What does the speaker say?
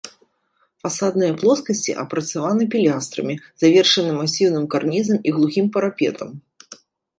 Фасадныя плоскасці апрацаваны пілястрамі, завершаны масіўным карнізам і глухім парапетам.